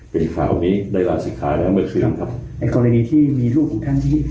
เป็นข่าวนี้ได้ลาศิกขาแล้วเมื่อคืนครับไอ้กรณีที่มีลูกอีกท่านนี้